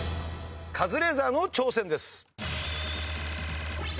カズレーザーの挑戦です。